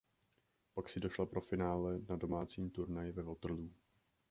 Pak si došla pro finále na domácím turnaji ve Waterloo.